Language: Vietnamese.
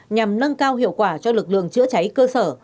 nhằm nâng cao hiệu quả cho lực lượng chữa cháy cơ sở